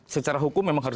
secara hukum memang harus